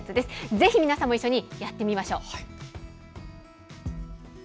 ぜひ皆さんも一緒にやってみましょう。